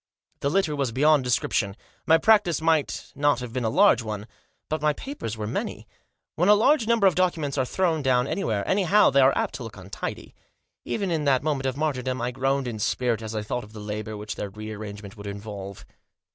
The litter was beyond description. My practice might not have been a large one, but my papers were many. When a large number of documents are thrown down anywhere, anyhow, they are apt to look untidy. Even in that moment of martyrdom I groaned in spirit as I thought of the labour which their rearrangement would involve.